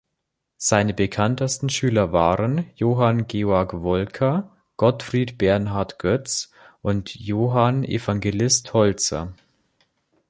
Seine bekanntesten Schüler waren Johann Georg Wolcker, Gottfried Bernhard Göz und Johann Evangelist Holzer.